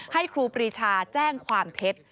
ครูปรีชาแจ้งความเท็จ